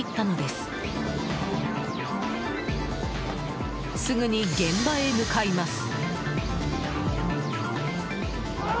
すぐに、現場へ向かいます。